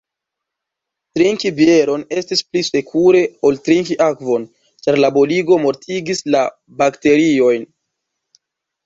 Trinki bieron estis pli sekure ol trinki akvon, ĉar la boligo mortigis la bakteriojn.